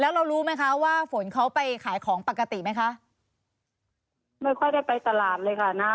แล้วเรารู้ไหมคะว่าฝนเขาไปขายของปกติไหมคะไม่ค่อยได้ไปตลาดเลยค่ะนะ